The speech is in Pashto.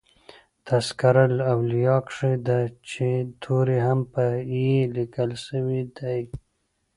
" تذکرةالاولیاء" کښي د "چي" توری هم په "ي" لیکل سوی دئ.